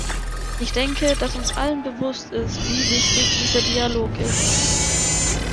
Ich denke, dass uns allen bewusst ist, wie wichtig dieser Dialog ist.